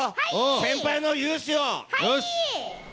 先輩の雄姿を。